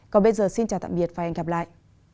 còn bây giờ xin chào tạm biệt và hẹn gặp lại